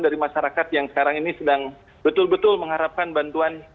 dari masyarakat yang sekarang ini sedang betul betul mengharapkan bantuan